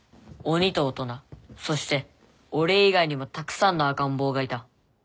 鬼と大人そして俺以外にもたくさんの赤ん坊がいた。